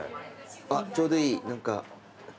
あっちょうどいい何か。